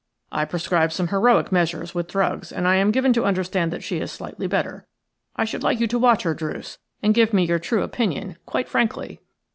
I prescribed some heroic measures with drugs, and I am given to understand that she is slightly better. I should like you to watch her, Druce, and give me your true opinion, quite frankly."